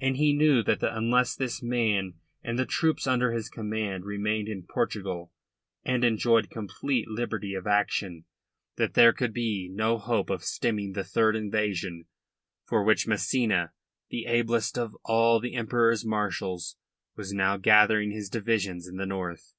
And he knew that unless this man and the troops under his command remained in Portugal and enjoyed complete liberty of action there could be no hope of stemming the third invasion for which Massena the ablest of all the Emperor's marshals was now gathering his divisions in the north.